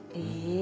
え！